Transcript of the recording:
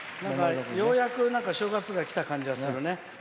ようやく正月がきた感じがするね。